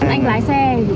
anh lái xe